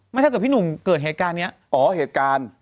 ถ้าเกิดพี่หนุ่มเกิดเหตุการณ์นี้อ๋อเหตุการณ์